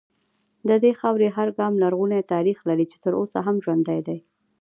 د دې خاورې هر ګام لرغونی تاریخ لري چې تر اوسه هم ژوندی دی